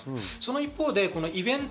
一方でイベント。